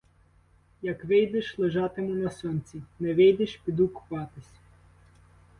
Як вийдеш — лежатиму на сонці; не вийдеш — піду купатись.